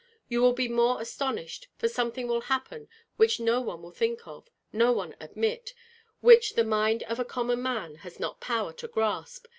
You will be more astonished, for something will happen which no one will think of, no one admit, which the mind of a common man has not power to grasp.